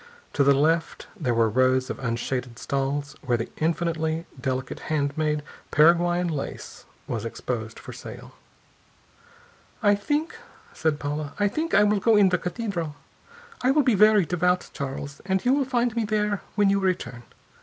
To the left, there were rows of unshaded stalls where the infinitely delicate handmade Paraguayan lace was exposed for sale. "I think," said Paula, "I think I will go in the cathedral. I will be very devout, Charles, and you will find me there when you return.